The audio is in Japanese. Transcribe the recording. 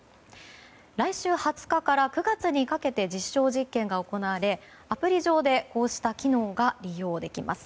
来週２０日から９月にかけて実証実験が行われアプリ上でこうした機能が利用できます。